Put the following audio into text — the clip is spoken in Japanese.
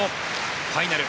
ファイナル。